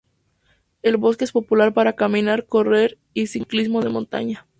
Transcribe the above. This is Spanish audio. El bosque es popular para caminar, correr y ciclismo de montaña.